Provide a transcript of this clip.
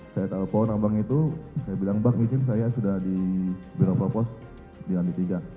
saya telepon abang itu saya bilang bang izin saya sudah di biro propos di lantai tiga